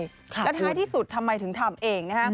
และท้ายที่สุดทำไมถึงทำเอง